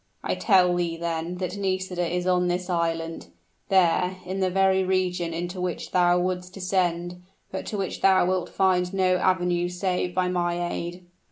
"I tell thee, then, that Nisida is on this island there, in the very region into which thou wouldst descend, but to which thou wilt find no avenue save by my aid."